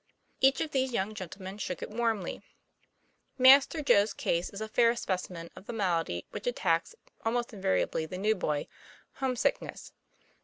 Each of these young gentlemen shook it warmly. Master Joe's case is a fair specimen of the malady which attacks almost invariably the new boy home sickness.